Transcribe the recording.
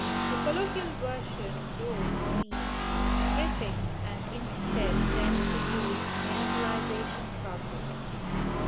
The colloquial version lose me- prefix and instead tends to use nasalization process.